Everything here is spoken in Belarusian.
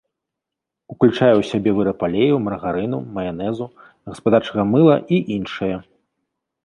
Уключае ў сябе выраб алею, маргарыну, маянэзу, гаспадарчага мыла і іншае.